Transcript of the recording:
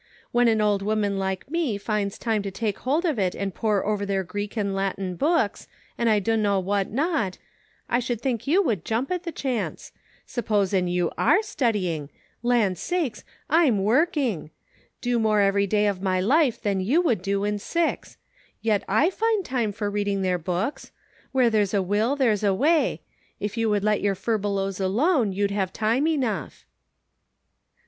When an old woman like me finds time to take hold of it and pore over their Greek and Latin books, and I dunno what not, I should think you would jump at the chance; s'posin' you are studying ; land's sakes ; I'm work ing ! do more every day of my life than you would do in six ; yet / find time for reading their books ; ■v^ere there's a will, there's a way ; if you would let your furbelows alone, you'd have time enough.'